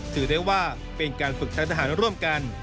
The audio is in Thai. ถือได้ว่าเป็นการฝึกชั้นทหารร่วมกัน